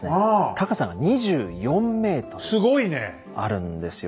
高さが２４ｍあるんですよ。